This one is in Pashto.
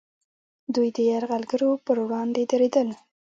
دوی د یرغلګرو پر وړاندې دریدل